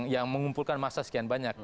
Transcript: yang mengumpulkan massa sekian banyak